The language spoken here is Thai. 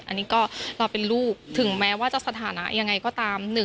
อันนี้ก็เราเป็นลูกถึงแม้ว่าจะสถานะยังไงก็ตาม